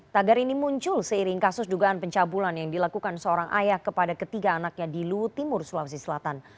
tagar ini muncul seiring kasus dugaan pencabulan yang dilakukan seorang ayah kepada ketiga anaknya di luwu timur sulawesi selatan